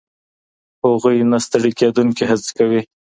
هغوی نه ستړې کېدونکې هڅې کوي.